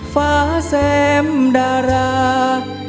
ฟ้าแซมดารา